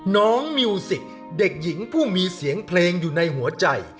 น้องมิวสิกเด็กหญิงผู้มีเสียงเพลงอยู่ในหัวใจ